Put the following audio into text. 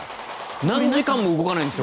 何時間も動かないんですよ